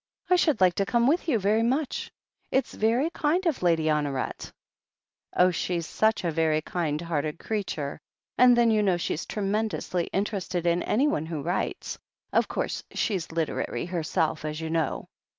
"I should like to come with you very much. It's very kind of Lady Honoret." "Oh, she's such a very kind hearted creature. And then you know she's tremendously interested in anyone who writes — of course, she's literary herself, as you know."